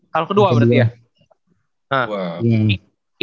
tahun kedua tuh berarti